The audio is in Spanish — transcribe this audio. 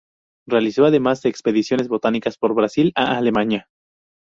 Realizó además de expediciones botánicas por Brasil, a Alemania.